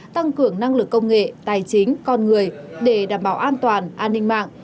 tăng cường năng lực công nghệ tài chính con người để đảm bảo an toàn an ninh mạng